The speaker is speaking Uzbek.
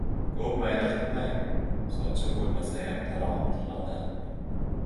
Ko‘p mayna qilmang, sochim bo‘lmasayam tarog‘im tillodan!